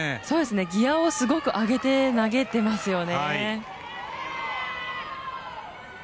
ギヤをすごく上げて投げてますよね。